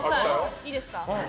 いいですか。